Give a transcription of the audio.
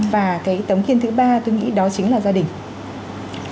và cái tấm kiên thứ ba tôi nghĩ đó chính là gia đình